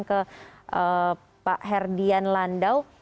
ke pak herdian landau